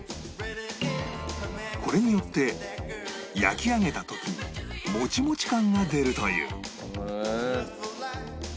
これによって焼き上げた時にもちもち感が出るという